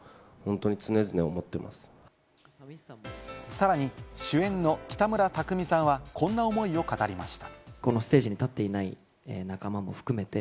さらに主演の北村匠海さんは、こんな思いを語りました。